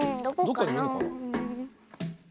どっかにいるの？